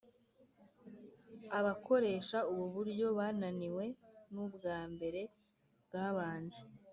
Abakoresha ubu buryo bananiwe nubwambere bwabanje